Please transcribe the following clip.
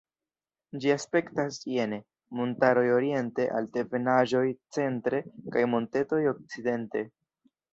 Ĝi aspektas jene: montaroj oriente, altebenaĵoj centre kaj montetoj okcidente.